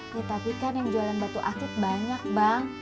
ya tapi kan yang jualan batu akik banyak bang